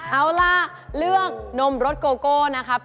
เอาล่ะเลือกนมรสโกโก้นะครับ